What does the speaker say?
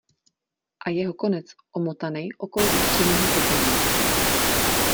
A jeho konec omotanej okolo ústředního topení.